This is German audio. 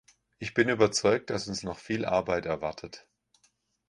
Ich bin überzeugt, dass uns noch viel Arbeit erwartet.